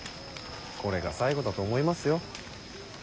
これが最後だと思いますよ。